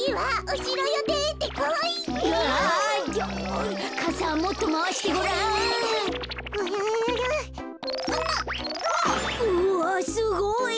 うわっすごい！